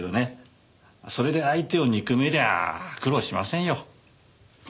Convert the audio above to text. それで相手を憎めりゃ苦労しませんよ。